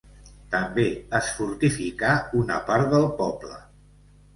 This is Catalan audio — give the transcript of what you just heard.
També es fortificà una part del poble.